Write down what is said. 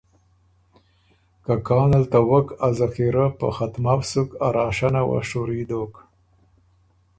که کان ال ته وک ا ذخیرۀ په ختمؤ سُک ا راشنه وه شُوري دوک